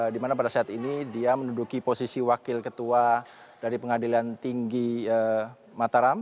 di mana pada saat ini dia menduduki posisi wakil ketua dari pengadilan tinggi mataram